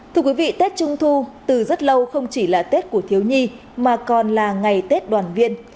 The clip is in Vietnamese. thưa quý vị tết trung thu từ rất lâu không chỉ là tết của thiếu nhi mà còn là ngày tết đoàn viên